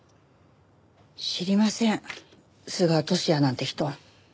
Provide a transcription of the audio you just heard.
知りません須賀都志也なんて人は。